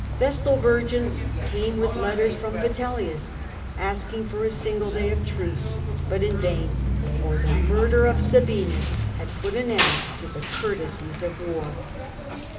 V'estal Virgins came with letters from Vitellius asking for a single day of truce, but in vain, for the murder of Sabinus had put an end to the courtesies of war.